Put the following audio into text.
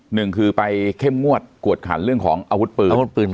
หนึ่งคือไปเข้มงวดกวดขันเรื่องของอาวุธปืน